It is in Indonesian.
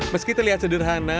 meski terlihat sederhana